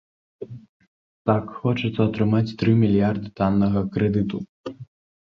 Так, хочацца атрымаць тры мільярды таннага крэдыту.